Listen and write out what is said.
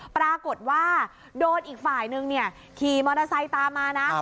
ปรากฏว่าโดนอีกฝ่ายนึงขี่มอเตอร์ไซค์ตามมานะ